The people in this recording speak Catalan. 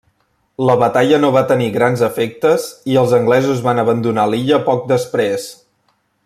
La batalla no va tenir grans efectes i els anglesos van abandonar l'illa poc després.